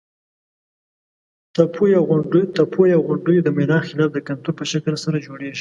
تپو یا غونډیو د میلان خلاف د کنتور په شکل سره جوړیږي.